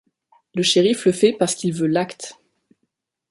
Le shérif le fait parce qu'il veut l'acte.